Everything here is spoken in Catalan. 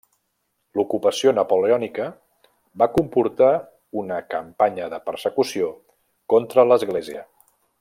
L'Ocupació Napoleònica va comportar una campanya de persecució contra l'església.